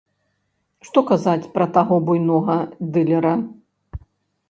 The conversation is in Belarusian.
Што казаць пра таго буйнога дылера!